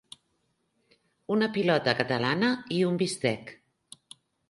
Una pilota catalana i un bistec.